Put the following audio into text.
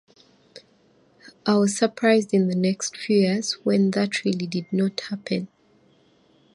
I was surprised in the next few years when that really did not happen.